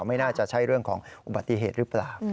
ไม่น่าจะใช่เรื่องของอุบัติเหตุหรือเปล่า